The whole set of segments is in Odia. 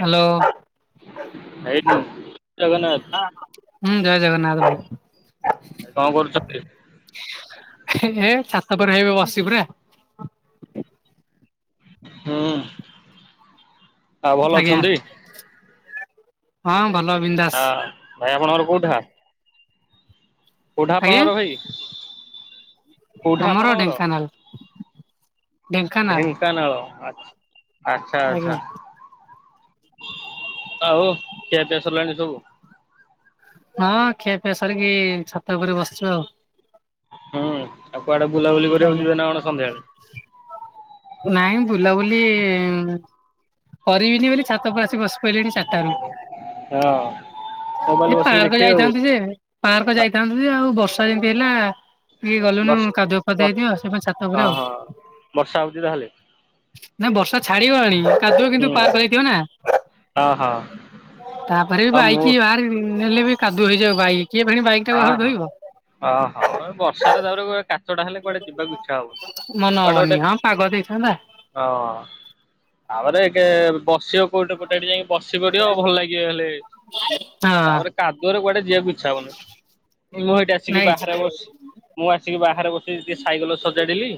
ହ୍ୟାଲୋ ହଲୋ ଆଇ ଜଗନ୍ନାଥ। ହୁଁ ଜୟ ଜଗନ୍ନାଥ ଭାଇ। କଣ କରୁଛନ୍ତି? ଏହେ ଛାତ ପରେ ହେଇବେ ବସିଚି ପରା। ହୁଁ ଆଉ ଭଲ ଆଜ୍ଞା ଅଛନ୍ତି। ହଁ ଭଲ ବିନଦାସ। ଆ ଭାଇ ଆପଣଙ୍କର କୋଉଠା? କୋଉଠା ଆଜ୍ଞା ଆପଣଙ୍କର ଭାଇ? କୋଉଠା ଆମର ଆପଣଙ୍କର ଢେଙ୍କାନାଳ ଢେଙ୍କାନାଳ ଢ଼େ ଙ୍କାନାଳ ଆଚ୍ ଆଚ୍ଛା ଆଜ୍ଞା ଆଛା। ଆଉ ଖିଆ ପିଆ ସରିଲାଣି ସବୁ। ହଁ ଖିଆପିଆ ସରିକି ଛାତ ଉପରେ ବସିଛୁ ଆଉ। ହୁଁ ଆଉ କୁଆଡେ ବୁଲା ବୁଲି କରିବାକୁ ଆଜ୍ଞା ଯିବେ ନା କଣ ସନ୍ଧ୍ୟାବେଳେ? ନାଇଁ ବୁଲାବୁଲି କରିବିନି ବୋଲି ଛାତଉପରେ ଆସି ବସିପଇଲିଣି ଚାରିଟାରୁ। ହଁ। ମୋବାଇଲ ଏ ବସିକି ପାର୍କ ଦେଖିବେ ଆଉ ଯାଇଥାନ୍ତୁ ଯେ ପାର୍କ ଯାଇଥାନ୍ତୁ ଯେ ଆଉ ବର୍ଷା ଯେମତି ହେଲା ଟିକେ ଗଲୁନୁ ବର୍ଷ ହଁ କାଦୁଅ ଫାଧୁଅ ହେଇଥିବ ସେ ପୁଣି ଛାତ ଉପରେ ଆଉ। ହଁ ବର୍ଷା ହଉଛି ତାହେଲେ ନା ବର୍ଷା ଛାଡିଗଲାଣି କାଦୁଅ ହୁଁ କିନ୍ତୁ ପାର୍କ ହେଇଥିବ ନା। ହଁ ହଁ ତାପରେଵି ଆଉ ମୁଁ ବାଇକି ବାହାରେ ନେଲେବି କାଦୁଅ ହେଇଯିବ ବାଇକ କିଏ ଫେଣି ବାଇକ୍ ଟାକୁ ଆହୁରି ଧୋଇବ। ଓ ହଉ ବର୍ଷାରେ ତାପରେ ଗୁରେ କା ସେଟା ହେଲେ କୁଆଡେ ଯିବାକୁ ଇଚ୍ଛା ହବନି ମନ କୁଆଡେ ହବନି ଗୋଟେ ହଁ ପାଗ ଦେଇଥାନ୍ତା ହଁ ଆପରେ କେ ବସିବାକୁ କୋଟୋ ପୋଟା ଟି ଯାଇକି ବସି ପଡିବ ଭଲ ଲାଗିବ ହେଲେ ହଁ ତାପରେ କାଦୁଅରେ କୁଆଡେ ଯିବାକୁ ଇଚ୍ଛା ହଉନି ମୁଁ ଏଇଠି ଆସିକି ନାଇଁ ଆଜ୍ଞା ବାହାରେ ବସି ମୁଁ ଆସିକି ବାହାରେ ବସିକି ଟିକେ ସାଇକଲ ସଜାଡ଼ିଲି।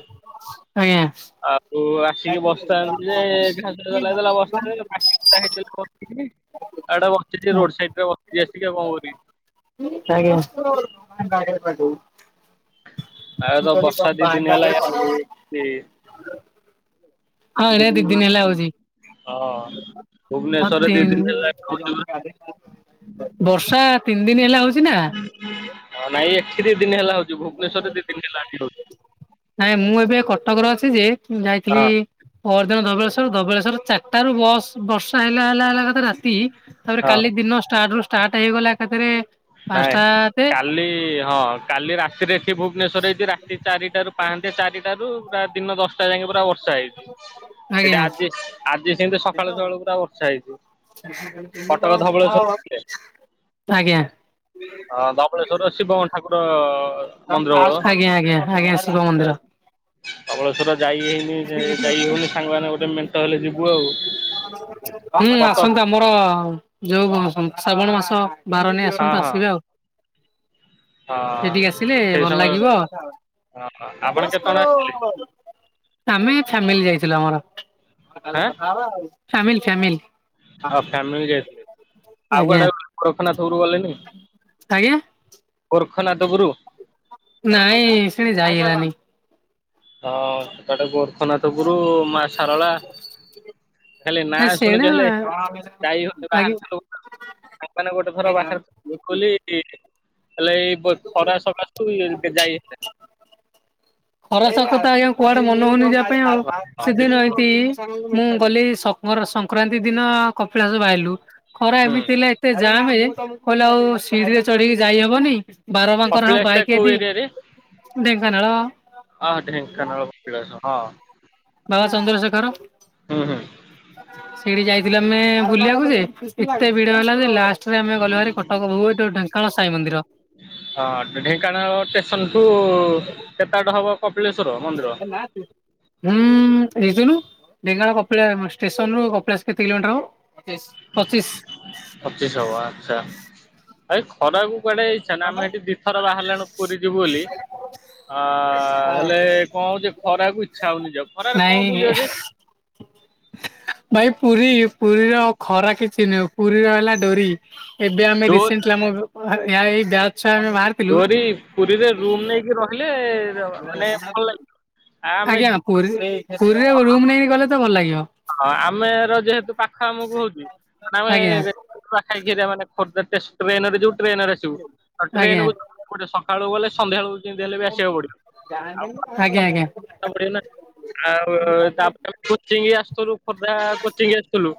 ଆଜ୍ଞା। ଆଉ ଆସିକି ବସିଥାନ୍ତି ଯେ ଘାଲା ବସିଥା ହେଇ ଏଡା ବସିଛି ରୋଡ ସାଇଡ ରେ ବସିଛି ଆସିକି କଣ କରିବି? ଆଜ୍ଞା। ଆଉ ତ ବର୍ଷା ଦି ଦିନ ହେଲା ୟା ଦି [unintelligible] ହଁ ଏଇଟା ଦି ଦିନ ହେଲା ହଉଛି। ହଁ। ହଁ ଭୁବନେଶ୍ୱରରେ ଦି ତିନ୍ ଦିନ ହେଲା ଏଠି ହଉଛି ପୁରା। ବର୍ଷା ତିନି ଦିନ ହେଲା ହଉଛି ନା। ହଁ ନାଇଁ ଏଠି ଦି ଦିନ ହେଲା ହଉଛି ଭୁବନେଶ୍ୱରରେ ଦି ଦିନ ହେଲା ଏଠି ହଉ ନାଇଁ ମୁଁ ଏବେ କଟକରେ ଅଛି ଯେ ଯାଇଥିଲି ହଁ ପରଦିନ ଧବଳେଶ୍ଵର ଧବଳେଶ୍ଵର ଚାରିଟାରୁ ବସ୍ ବର୍ଷା ହେଲା ହେଲା ହେଲା ଏକାତରେ ରାତି ତାପରେ ହଁ। କାଲି ଦିନ ଷ୍ଟାଟ ରୁ ଷ୍ଟାର୍ଟ ହେଇଗଲା ଏକାଥରେ ନାଇଁ ପାଞ୍ଚଟା ତେ କାଲି ହଁ କାଲି ରାତିରେ ଏଠି ଭୁବନେଶ୍ୱର ହେଇଛି ରାତି ଚାରିଟାରୁ ପାହାନ୍ତିଆ ଚାରିଟାରୁ ପୁରା ଦିନ ଦଶଟା ଯାଙ୍କେ ପୁରା ବର୍ଷା ହେଇଛି। ଏଟା ଆଜ୍ଞା ଆଜି ଆଜି ସେମିତି ସକାଳୁ ସକାଳୁ ପୁରା ବର୍ଷା ହେଇଛି। ତୁମେ କଟକ କଣ ଧବଳେଶ୍ୱର କଥାହବ ଆଜ୍ଞା। ହଁ ଧବଳେଶ୍ୱର ଶିବଙ୍କ ଠାକୁର ମନ୍ଦିର ହ ଆଜ୍ଞା ଆଜ୍ଞା ଆଜ୍ଞା ଶିବ ମନ୍ଦିର। ଧବଳେଶ୍ୱର ଯାଇ ହେଇନି ଯାଇ ହଉନି ସାଙ୍ଗମାନେ ଗୋଟେ ମେଣ୍ଟ ହେଲେ ଯିବୁ ଆଉ। ହୁଁ କଟକ ଆସନ୍ତୁ। ତମର ଯୋଉଁ ଶ୍ରାବଣ ମାସ ବାର ନେଇ ହଁ ଆସନ୍ତୁ ହଁ ଆସିବେ ଆଉ। ହଁ ସେଠିକି ଆସିଲେ ସେଇ ଭଲ ସମୟ ହଁ ଲାଗିବ। ଆପଣ କେତେଜଣ ଆସିଥିଲେ? ଆମେ ଫାମିଲି ଯାଇଥିଲୁ ଆମର ଆଁ ଫାମିଲି ଫାମିଲି। ଫ୍ୟାମିଲି ଯାଇଥିଲେ ଆଉ ଆଜ୍ଞା କୁଆଡେ କରଖାନା ଥବରୁ ଗଲେନି? ଆଜ୍ଞା। କୋରଖ ନାଦବରୁ ନାଇଁ ସେଠି ଯାଇ ହେଲାନି। ହଁ ସେପଟେ ଗୋରଖନାଥ ଗୁରୁ ମା ସାରଳା ଖାଲି ନା ଶୁଣିଚୁ ହେଲେ ଯାଇ ଆଜ୍ଞା [unintelligible] ତମେମାନେ ଗୋଟେ ଥର ବାହାର କୁ ଖୋଲି ହେଲେ ଏଇ ଖରା ସକାଶୁ ଯାଇ ହେଲାନି। ଖରା ସକାଶେ ଆଜ୍ଞା କୁଆଡେ ମନ ହଉନି ଯିବା ପାଇଁ ଆଉ ସେଦିନ ଏତି ମୁଁ ଗଲି ସ ସଂକ୍ରାନ୍ତି ଦିନ କପିଳାସ ଆଇଲୁ ଖରା ହୁଁ ଏମିତି ହେଲା ଏତେ ଜାମେ କହିଲେ ଆଉ ସିଡିିରେ ଚଢିକି ଯାଇହବନି ବାର ବାଙ୍କ ର କପିଳାସ ଟା ବାଇକ କୋଉ ଏଦି ଢେଙ୍କାନାଳ ହଁ ଢେଙ୍କାନାଳ କପିଳାଶ ହଁ। ବାବା ଚନ୍ଦ୍ରଶେଖର ହୁଁ ହୁଁ ସେଇଠି ଯାଇ ଆମେ ବୁଲିବାକୁ ଯେ ଏତେ ଭିଡ ହେଲା ଯେ ଲାଷ୍ଟରେ ଆମେ ଗଲୁ ଭାରି କଟକ ଠୁ ଡେଙ୍କାନାଳ ସାଇ ମନ୍ଦିର। ହଁ ଢେଙ୍କାନାଳ ଷ୍ଟେସନଠୁ କେତେ ବାଟ ହବ କପିଳେଶ୍ଵର ମନ୍ଦିର? ନାହାନ୍ତି। ହୁଁ [unintelligible] ଢେଙ୍କାନାଳ ଷ୍ଟ୍ରେସନରୁ କପଳାସ କେତେ କିଲୋମିଟର ହେବ? ହବ ପଚିଶ। ଆଚ୍ଛା। ଏଇ ଖରାକୁ କୁଆଡେ ଇଛା ନାଇଁ ଆମେ ଏଠି ଦିଇଥର ବାହାରିଲୁଣି ପୁରୀ ଯିବୁ ବୋଲି ଆ ହେଲେ କଣ ହଉଚି ଖରାକୁ ଇଚ୍ଛା ହଉନି ଯିବାକୁ ଖରାରେ ନାଇଁ କଣ ବୁଲିବ ଯେ। ଭାଇ ପୁରୀ ପୁରୀର ଖରା କିଛି ନହେଁ ପୁରୀ ର ହେଲା ଡୋରି ଏବେ ଆମେ ଡୋ ରିସେଣ୍ଟଲି ଆମର [unintelligible] ଡୋରି ପୁରୀରେ ରୁମ ନେଇକି ରହିଲେ ମାନେ ଭଲ ଲାଗିବ। ଆମେ ଆଜ୍ଞା ପୁରୀ ପୁରୀରେ ରୁମ୍ ନେଇକି ଗଲେ ତ ଭଲ ଲାଗିବ। ହଁ ଆମର ଯେହେତୁ ପାଖ ଆମକୁ ହେଉଚି ଆମେ ଆଜ୍ଞା [unintelligible] ଖୋର୍ଦ୍ଧା ଟ୍ରେନରେ ଯୋଉଁ ଟ୍ରେନରେ ଆସିବୁ ଆଜ୍ଞା ଟ୍ରେନ [unintelligible] କୋଉଁଠେ ସକାଳୁ ଗଲେ ସନ୍ଧ୍ୟା ହେଉ ଯିମିତି ହେଲେ ଆସିବାକୁ ଆଜ୍ଞା ପଡ଼ିବ ଆଜ୍ଞା ଆଉ [unintelligible] ଆଉ ତାପରେ କୋଚିଂ ଆସୁଥିଲୁ ଖୋର୍ଦ୍ଧା କୋଚିଂ ଆସିଥିଲୁ।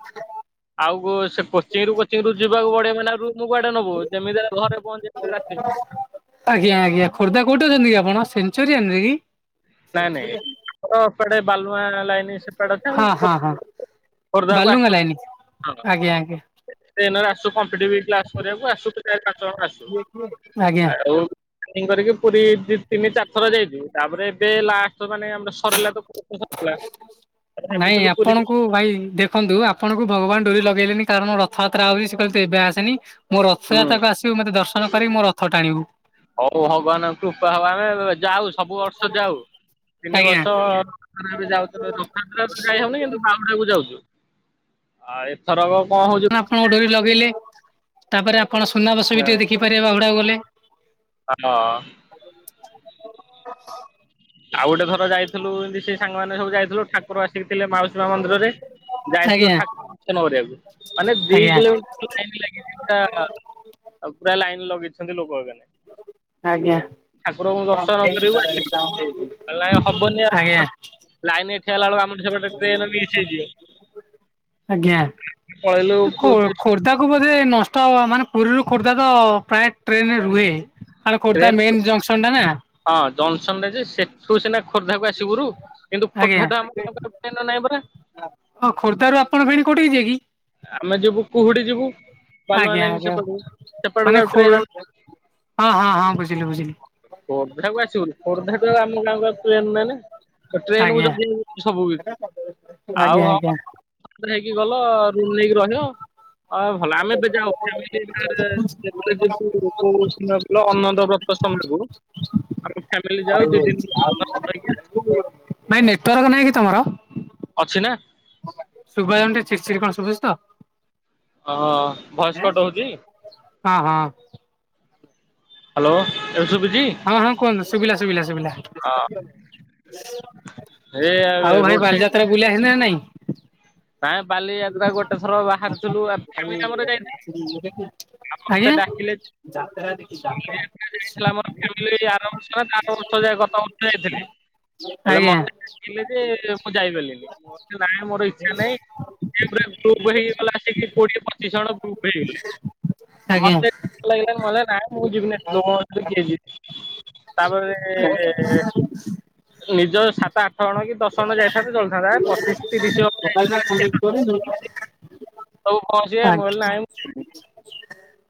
ଆଉ ସେ କୋଚିଂ ରୁ କୋଚିଂ ରୁ ଯିବାକୁ ପଡିବ ମାନେ। [unintelligible] ତୁ କୁଆଡେ ନେବୁ ଯେମିତି ହେଲେ ଘରେ ପହଞ୍ଚେଇଦେ ରାତି ଭିତରେ। ଆଜ୍ଞା ଆଜ୍ଞା ଖୋର୍ଦ୍ଧା କଉଠି ଅଛନ୍ତି କି ଆପଣ ସେଞ୍ଚୁରିଆନ କି? ନାଇଁ ନାଇଁ ସିଆଡ଼େ ବାଲୁଆଁ ଲାଇନ ସେପଡ ଟା ହଁ ହଁ ହଁ [unintelligible] ବାଲୁଙ୍ଗା ଲାଇନି ଆଜ୍ଞା ଆଜ୍ଞା ସବୁ କମ୍ପିଟିବିଟ କ୍ଲାସ କରିବାକୁ [unintelligible] ଚାରି ପାଞ୍ଚ ଜଣ ଆସୁ ଆଜ୍ଞା। ଆଉ ଏମିତି କରିକି ପୁରୀ ଦି ତିନି ଚାରିଥର ଯାଇଚୁ ତାପରେ ଏବେ ଲାଷ୍ଟ ମାନେ ଆମର ସରିଲା [unintelligible] ନାଇଁ ଭାବଥିଲୁ ପୁରୀ ଯିବୁ। ଆପଣଙ୍କୁ ଭାଇ ଦେଖ ଦେଖନ୍ତୁ ଆପଣଙ୍କୁ ଭଗବାନ ଡୋରି ଲଗେଇଲେନି କାରଣ ରଥଯାତ୍ରା ଆଉଚି ସେ କହିଲେ ତୁ ଏବେ ଆସେନି ମୋ ହୁଁ ରଥଯାତ୍ରାକୁ ଆସିବୁ ମୋତେ ଦର୍ଶନ କରିକି ମୋ ରଥ ଟାଣିବୁ। ହଉ ଭଗବାନଙ୍କ କୃପା ହ ଆମେ ଯାଉ ସବୁ ବର୍ଷ ଯାଉ ତିନି ଆଜ୍ଞା ବର୍ଷ ର ଯାଉ ରଥଯାତ୍ରା ଯାଇହଉନି କିନ୍ତୁ ବାହୁଡାକୁୁ ଯାଉଛୁ। ଆଉ ଏଥର କଣ ହଉଛି? ଆପଣ ଡୋରି ଲଗେଇଲେ ତାପରେ ଆପଣ ସୁନାବେ ସ ବି ହଁ। ଟିକେ ଦେଖିପାରିବେ ବାହୁଡାକୁ ଗଲେ [unintelligible] ଆଉ ଗୋଟେଥର ଯାଇଥିଲୁ, ଏମିତି ସେଇ ସାଙ୍ଗମାନେ ସବୁ ଯାଇଥିଲୁ ଠା ଠାକୁର ଆସିକି ଥିଲେ ମାଉସୀ ମା ମନ୍ଦିରରେ ଯାଇଥିଲ ଆଜ୍ଞା ଠାକୁର ଦର୍ଶନ କରିବାକୁ, ମାନେ ଦି ଆଜ୍ଞା। କିଲୋମିଟର ଲାଇନ ଲାଗିଛି ପା ଆଉ ପୁରା ଲାଇନ ଲଗେଇଛନ୍ତି ଲୋକ ମାନେ ଆଜ୍ଞା ଠାକୁରଙ୍କୁ ଦର୍ଶନ କରିବୁ ଆସିବୁ। ହବନି ଆ ଆଜ୍ଞା ଲାଇନ ଏଠି ହେଲା ବେଳକୁ ଆମର ଟ୍ରେନ ମିସ ହେଇଯିବ ଆଜ୍ଞା। ଖୋ [unintelligible] ଖୋର୍ଦ୍ଧାକୁ ବୋଧେ ନଷ୍ଟ ହ ମାନେ ପୁରୀରୁ ଖୋର୍ଦ୍ଧା ତ ପ୍ରାୟ ଟ୍ରେନରେ ରୁହେ, କାରଣ ଖୋର୍ଦ୍ଧା ଟ୍ରେନ ମେନ ଜଙ୍କସନ୍ ଟା ନା ହଁ ଜନ୍ସନ ରେ ଯେ ସେ ତୁ ସିନା ଖୋର୍ଦ୍ଧାକୁ ଆସିବୁରୁ କିନ୍ତୁ ଖୋର୍ଦ୍ଧା ଆମ ନାହିଁ ପରା। ହଁ ଖୋର୍ଦ୍ଧ ର ଆପଣ ଫେଣି କୋଉଠି କି ଯିବେ କି? ଆମେ ଯିବୁ କୁହୁଡି ଯିବୁ, ବାଲୁଆ ଆଜ୍ଞା ଲାଇନ ଆଜ୍ଞା ସେପଟକୁ ମାନେ ସେପଟକୁ ଆଉ ଖୋ ଟ୍ରେନ ହଁ ହଁ ହଁ ବୁଝିଲି ବୁଝିଲି। ଖୋର୍ଦ୍ଧାକୁ ଆସିବନି ଖୋର୍ଦ୍ଧା ତ ଆମ ଗାଁକୁ ଆସିବୁ ଏ ନାଇଁ ଟ୍ରେନ କୁ ଆଜ୍ଞା ଯଦି ସବୁ କିଛି ଆଉ ଆଜ୍ଞା ଆଜ୍ଞା। ହଁ ହେଇକି ଗଲ ରୁମ୍ ନେଇକି ରହିବ। ହଁ ଭଲ ଆମେ ଏବେ ଯାଉ ଫ୍ୟାମିଲ [unintelligible] [unintelligible] ଅନନ୍ତ ବ୍ରତ ସମୟକୁ ଆ ନାଇଁ ନେଟୱାର୍କ ନାଇଁ କି ତମର? ଅଛି ନା ଶୁଭା ଯାଉନି ଟିକେ ଚିଡ଼ିଚିଡି କଣ ଶୁଭୁଛି ତ। ଓ ଭଏସକଟ୍ ହଉଛି? ହଁ ହଁ ହାଲୋ ହଁ ହଁ କୁହନ୍ତୁ ଶୁଭିଲା ଶୁଭିଲା ଶୁଭିଲା। ହଁ ଏ ଆଉ ରୋଡ ଭାଇ ବାଲିଯାତ୍ରା ବୁଲିବା ହେଲେ ନାଇଁ? କ ବାଲିଯାତ୍ରା ଗୋଟେ ଥର ବାହାରିଥିଲୁ? [unintelligible] ଆତ ଡାକିଲେ ଯାଇଥିଲା ଆମର ଫାମିଲି ଆର ତାର ବର୍ଷ ଯାଏ ଗତ ବର୍ଷ ଯାଇଥିଲେ ଆଜ୍ଞା। ମତେ ହେଲେ ଯେ ମୁଁ ଯାଇପାରିଲିନି, ମୋ ନାଁ ମୋର ଇଚ୍ଛା ନାହିଁ ଗ ହେଇଗଲା। କୋଡିଏ ପଚିଶ ଜଣ ଗ୍ରୁପ ହେଇଗଲେ, ଆଜ୍ଞା ମତେ ଲାଗ ମ ନା ମୁଁ ଯିବିନିିଲୋ କି ଯିବ ତାପରେ ନିଜ ସାତ ଆଠ ଜଣ କି ଦଶ ଜଣ ଯାଇଥାନ୍ତ ଚଳିଥାନ୍ତା, ପଚିଶ ତିରିଶି ଜଣ। ଯାଇଥିଲେ [unintelligible] ସବୁ ପହଞ୍ଚିବେ ମୁଁ କହିଲି ନାହିଁ।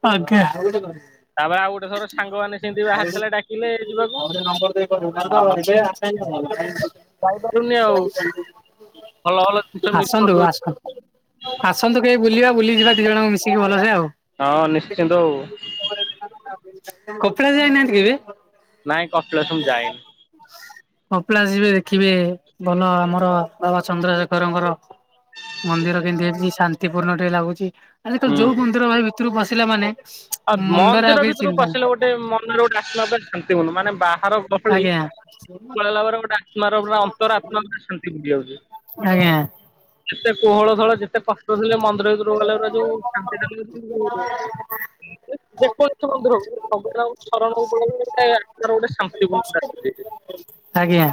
ଆଜ୍ଞା ତାପରେ ଆଉ ଗୋଟେ ଥର ସାଙ୍ଗମାନେ ସେମତି ବାହାର ଥିଲା ଡା ଆଉ ଟେ ନମ୍ବର ଦେଇ କରିବ [unintelligible] ପାଇପାରୁନି ଆଉ, ଭଲ ଭଲ ଜିନିଷ ମିସ୍ ଆସନ୍ତୁ ଆସନ୍ତୁ। କରିଦଉଛି। ଆସନ୍ତୁ କେହି ବୁଲିବା ବୁଲିଯିବା ଦି ଜଣଙ୍କୁ ମିଶିକି ଭଲରେ ଆଉ। ହଁ ନିଶ୍ଚିନ୍ତ ଆଉ କପିଲାସ ଯାଇନାହାନ୍ତି କେବେ? ନାଇଁ କପିଳାସ ମୁଁ ଯାଇନି। କପିଳାସ ଯିବେ ଦେଖିବେ ଭଲ ଆମର ବାବା ଚନ୍ଦ୍ରଶେଖରଙ୍କର ମନ୍ଦିର କେମିତି ହେଇଚି ଶାନ୍ତି ପୂର୍ଣ୍ଣ ଟିକେ ଲାଗୁଚି। ଆଜିିକାଲି ଯୋଉ ମନ୍ଦିର ଭାଇ ଭିତରକୁ ପସିଲା ମାନେ ଅ ମୁଣ୍ଡରେ ଆଉ ମନ୍ଦିର କିଛି ଭିତରକୁ ଚିନ୍ତା ନାହିଁ। ପଶିଲେ ଗୋଟେ ଗୋଟେ ମନରେ ଗୋଟେ ଆସିଲା ମାନେ ଶାନ୍ତି ପୂର୍ଣ୍ଣ। ମାନେ ବାହାର ଗହଳି। ଆଜ୍ଞା [unintelligible] [unintelligible] ପୁରା ଅନ୍ତର ଆତ୍ମା ପୁରା ଶାନ୍ତି ହେଇଯାଉଛି। ଆଜ୍ଞା ଏତେ କୋହଳ ଥର ଯେତେ କଷ୍ଟ ଥିଲେ ମନ୍ଦିର ଭିତରକୁ ଗଲେ ଯୋଉଶାନ୍ତି। [unintelligible] ଯେକୌଣସି ମନ୍ଦିର ହଉ [unintelligible] ଶାନ୍ତିପୂର୍ଣ୍ଣ ଥାଏ। ଆଜ୍ଞା।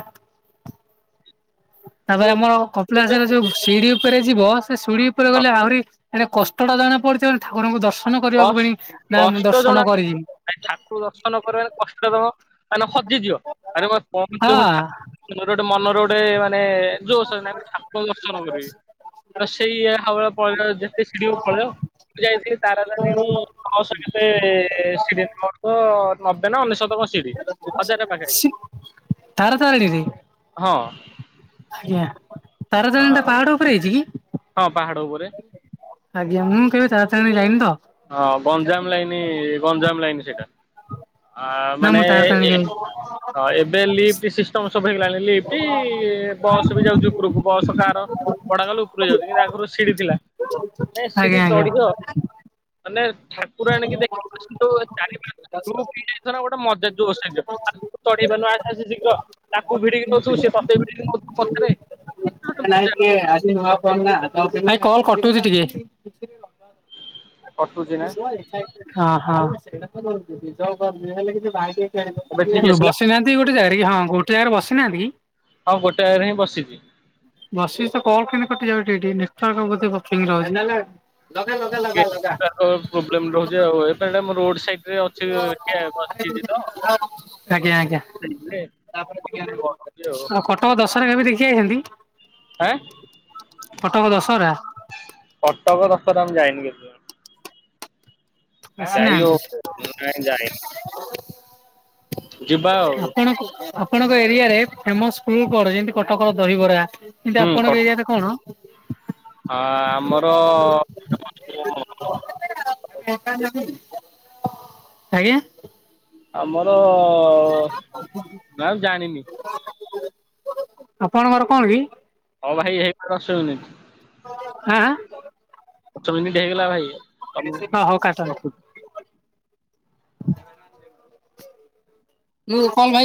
ତାପରେ ଆମର କପିଳାସିର ଯୋଉ ଶିଢି ଉପରେ ଯିବ ସେ ଶିଢି ଉପରେ ଗଲେ ଆହୁରି ମାନେ କଷ୍ଟ ଟା ଜଣା ପଡିଥିବ, ଠାକୁରଙ୍କୁ ଦର୍ଶନ କରିବାକୁ ଫୁଣି ନା ମୁଁ ଦର୍ଶନ କରିବି। ଭାଇ ଠାକୁର ଦର୍ଶନ କରିବାରେ କଷ୍ଟ ଦବ ମାନେ ହଜିଯିବ ଆରେ ପହଞ୍ଚିବଣି ଠା ହଁ ମର ଗୋଟେ ମନର ଗୋଟେ ମାନେ ଜୋଶ [unintelligible] ଠାକୁର ଙ୍କୁ ଦର୍ଶନ କରିବି। ତ ସେଇ। [unintelligible] [unintelligible] ନବେ ନା ଅନେଶତ କଣ ସିଡ଼ି ହଜାର ପାଖା ପାଖି। ତାରା ତାରିଣୀରେ ହଁ। ଆଜ୍ଞା। ତାରତାରିଣୀ ଟା ପାହାଡ ଉପରେ ହେଇଚି କି? ହଁ ପାହାଡ଼ ଉପରେ। ଆଜ୍ଞା। ମୁଁ କେବେ ତାରାତାରିଣୀ ଯାଇନି ତ। ହଁ ଗଞ୍ଜାମ ଲାଇନ ଗଞ୍ଜାମ ଲାଇନ ସେଇଟା। ଆ ନା ମାନେ ମୁଁ ତାରାତାରିଣୀ କେବେ ଏବେ ଲିଫ୍ଟ ସି ସବୁ ହେଇଗଲାଣି ଲିଫ୍ଟ ବସ ବି ଯାଉଚି ଉପରକୁ ବସ କାର ଭଡା କଲେ ଉପରକୁ ଯାଉଚି। କିନ୍ତୁ ଆଗରୁ ସିଡି ଥିଲା। ନାଇ ସିଡି ଆଜ୍ଞା ଆଜ୍ଞା। ଚଢିବ ମାନେ ଠାକୁର ଆଣିକି ଦେଖି। [unintelligible] [unintelligible] ଆରେ ତୁ ଚଢ଼ି ପାରୁନୁ। ଆସେ ଆସେ ଶୀଘ୍ର। ତାକୁ ଭିଡିକି ନଉଥୁବୁ, ସେ ତତେ ଭିଡିକି ନଉଥିବ ପଛରେ। [unintelligible] ନାଇଁ କଲ କଟୁଛି ଟିକେ। କଟୁଛି ନା ଅ ହଁ। ବସିନାହାନ୍ତି ଗୋଟେ ଜାଗାରେ କି ଏବେ ଠିକ ହଁ ଆସିଲା ଗୋଟେ ଜାଗାରେ ବସିନାହାନ୍ତି କି? ହଁ ଗୋଟେ ଜାଗାରେ ହିଁ ବସିଚି। ବସିଚି ତ କଲ କେମିତି କଟିଯାଉଚି ଏଇଠି। ନେଟୱର୍କ ବୋଧେ [unintelligible] ରହୁଚି। ଲଗା ଲଗା ଲଗା ଲଗା। ନେଟୱର୍କ ପ୍ରୋବ୍ଲେମ୍ ରହୁଛି ଆଉ। ମୁଁ ରୋଡ୍ ସାଇଟ ଅଛି ଟିକେ ବସିଚି ତ। ଆଜ୍ଞା ଆଜ୍ଞା ଆଉ [unintelligible] କଟକ ଦଶହରା କେବେ ଦେଖି ଆଇଛନ୍ତି? ଆଁ କଟକ ଦଶହରା। କଟକ ଦଶହରା ମୁଁ ଯାଇନ କେତେବେଳେ। ଯାଇ ଆସିନାହାନ୍ତି? ହଉ ନାଇଁ ଯାଇନି ଯିବା ଆଉ ଆପଣ ଙ୍କୁ ଆପଣଙ୍କ ଏରିଆରେ ଫେମସ ଫୁଡ୍ କଣ? ଯେମତି କଟକର ଦହିବରା। କିନ୍ତୁ ଆପଣଙ୍କ ଏରିଆ ରେ କଣ? ହଁ ହଁ ଆମର ଆଜ୍ଞା। ଆମର ନ ମୁଁ ଜାଣିନି। ଆପଣଙ୍କର କଣ କି? ହଉ ଭାଇ ହେଇଗଲା ଦଶ ମିନିଟ୍। ଆଁ ଆଁ। ଦଶ ମିନିଟ ହେଇଗଲା ଭାଇ। ତ ମୁଁ ହଁ ହଉ କାଟନ୍ତୁ ରଖୁଚି। ମୁଁ କଣ ଭାଇ